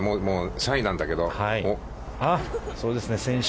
３位なんだけど、選手。